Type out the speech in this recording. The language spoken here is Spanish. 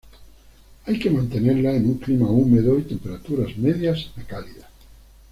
Hay que mantenerla en un clima húmedo y temperaturas medias a cálidas.